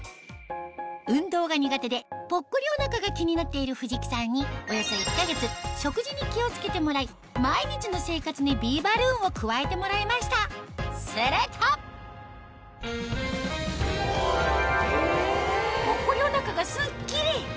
運動が苦手でぽっこりお腹が気になっている藤木さんにおよそ１か月食事に気を付けてもらい毎日の生活にビーバルーンを加えてもらいましたするとぽっこりお腹がスッキリ！